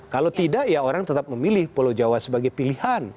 kalau tidak ya orang tetap memilih pulau jawa sebagai pilihan